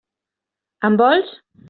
En vols?